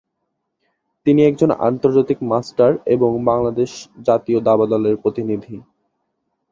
তিনি একজন আন্তর্জাতিক মাস্টার এবং বাংলাদেশ জাতীয় দাবা দলের প্রতিনিধি।